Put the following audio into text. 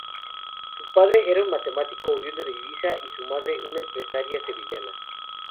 Su padre era un matemático, oriundo de Ibiza, y su madre, una empresaria sevillana.